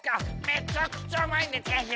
めちゃくちゃうまいんでぜひ！